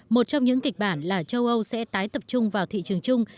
một trong những kịch bản là châu âu sẽ tái tập trung vào thị trường chung